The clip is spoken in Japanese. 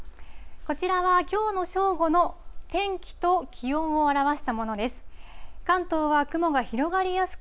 こちらはきょうの正午の天気と気温を表したものです。